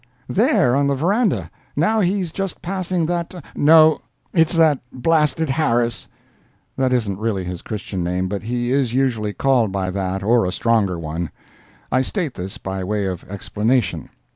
"There—on the verandah—now, he's just passing that—. No; it's that blasted Harris." That isn't really his Christian name, but he is usually called by that or a stronger one. I state this by way of explanation.